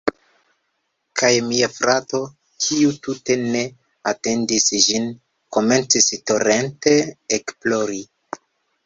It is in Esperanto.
Kaj mia frato, kiu tute ne atendis ĝin, komencis torente ekplori.